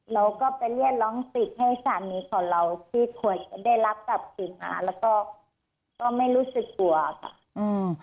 เราก็ไปเรียกร้องสิทธิ์ให้สามีของเราที่ควรจะได้รับกับสิงหาแล้วก็ก็ไม่รู้สึกกลัวค่ะอืม